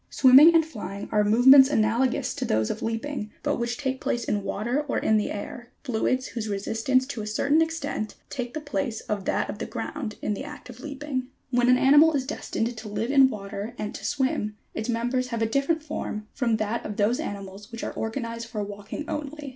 95. Swimming and flying are movements analogous to those of leaping, but which take place in water or in the air, fluids whose resistance to a certain extent, takes the place of that of the ground in the act of leaping. 96. When an animal is destined to live in water and to swim, its members have a different form from that of those animals which are organized for walking only.